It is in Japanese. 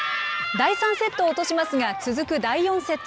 第３セットを落としますが、続く第４セット。